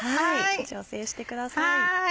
調整してください。